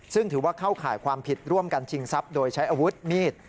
ซึ่งถือว่าเข้าข่ายความผิดร่วมกันชิงทรัพย์โดยใช้อาวุธมีด